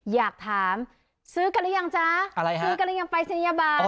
อยากถามซื้อกันหรือยังจ๊ะอะไรฮะซื้อกันหรือยังปรายศนียบัตร